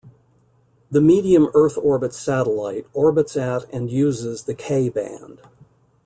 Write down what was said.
The medium Earth orbit satellite orbits at and uses the K band.